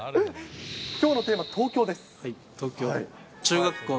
きょうのテーマは東京です。